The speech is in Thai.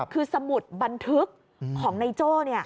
คือสมุดบันทึกของนายโจ้